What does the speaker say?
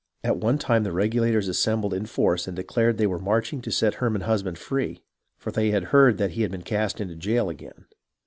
At one time the Regulators assembled in force and declared they were marching to set Herman Husband free, for they had heard that he had been cast into jail again.